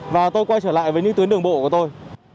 và tôi quay trở lại với những tuyến đường bộ của tôi